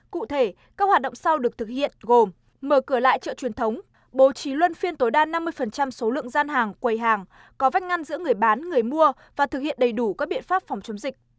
cụ thể các hoạt động sau được thực hiện gồm mở cửa lại chợ truyền thống bố trí luân phiên tối đa năm mươi số lượng gian hàng quầy hàng có vách ngăn giữa người bán người mua và thực hiện đầy đủ các biện pháp phòng chống dịch